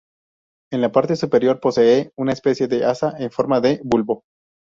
En la parte superior posee una especie de asa en forma de bulbo.